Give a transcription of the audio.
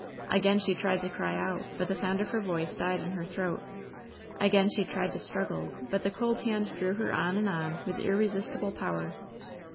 Again she tried to cry out, but the sound of her voice died in her throat Again she tried to struggle, but the cold hand drew her on and on with irresistible power.